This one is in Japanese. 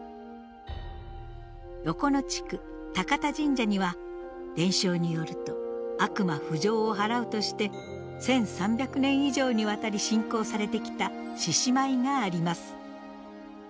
横野地区高田神社には伝承によると悪魔・不浄をはらうとして１，３００年以上にわたり信仰されてきた獅子舞があります。